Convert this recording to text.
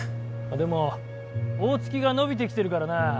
でも大月が伸びてきてるからな